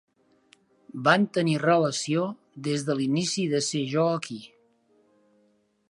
Van tenir relació des de l'inici de ser jo aquí.